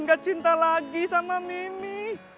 gak cinta lagi sama mimi